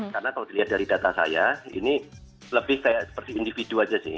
karena kalau dilihat dari data saya ini lebih seperti individu saja sih